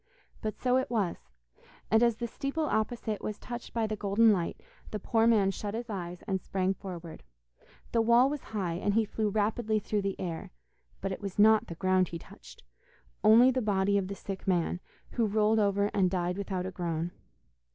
But so it was; and as the steeple opposite was touched by the golden light, the poor man shut his eyes and sprang forward. The wall was high, and he flew rapidly through the air, but it was not the ground he touched, only the body of the sick man, who rolled over and died without a groan.